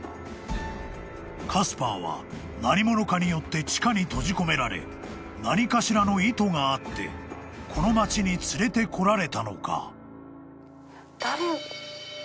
［カスパーは何者かによって地下に閉じ込められ何かしらの意図があってこの町に連れてこられたのか？］